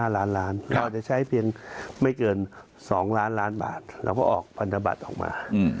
ล้านเราจะใช้เพียงไม่เกิน๒ล้านล้านบาทเราก็ออกพันธบัตรออกมา